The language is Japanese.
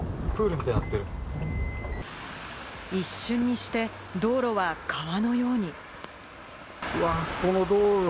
一瞬にして道路は川のように。